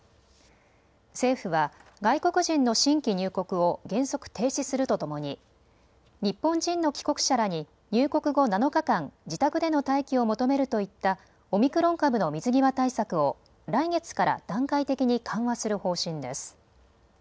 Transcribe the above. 政府は外国人の新規入国を原則、停止するとともに日本人の帰国者らに入国後７日間、自宅での待機を求めるといったオミクロン株の水際対策を来月から段階的に緩和する方針です。